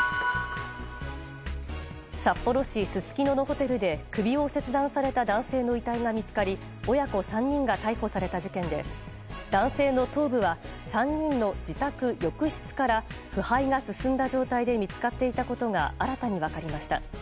札幌市すすきののホテルで首を切断された男性の遺体が見つかり親子３人が逮捕された事件で男性の頭部は３人の自宅浴室から腐敗が進んだ状態で見つかっていたことが新たに分かりました。